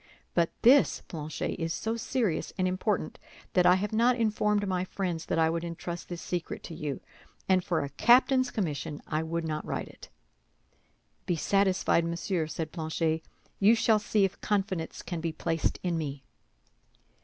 But this, Planchet, is so serious and important that I have not informed my friends that I would entrust this secret to you; and for a captain's commission I would not write it." "Be satisfied, monsieur," said Planchet, "you shall see if confidence can be placed in me."